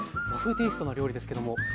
テイストな料理ですけども。